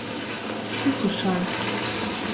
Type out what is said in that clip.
Tykušai.